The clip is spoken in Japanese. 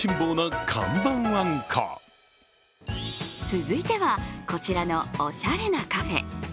続いては、こちらのおしゃれなカフェ。